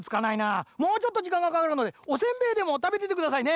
もうちょっとじかんがかかるのでおせんべいでもたべててくださいね。